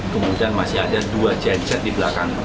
kemudian masih ada dua genset di belakang